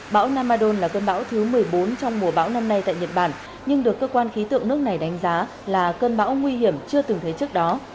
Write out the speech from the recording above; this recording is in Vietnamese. bão namadon là cơn bão thứ một mươi bốn trong mùa bão năm nay tại nhật bản nhưng được cơ quan khí tượng nước này đánh giá là cơn bão nguy hiểm chưa từng thấy trước đó